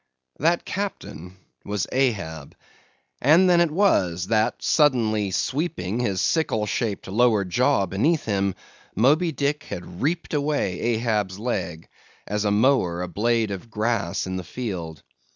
That captain was Ahab. And then it was, that suddenly sweeping his sickle shaped lower jaw beneath him, Moby Dick had reaped away Ahab's leg, as a mower a blade of grass in the field.